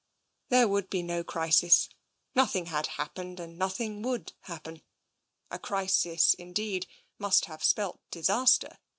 There would be no crisis. Nothing had happened and nothing would happen. A crisis, indeed, must have spelt disaster.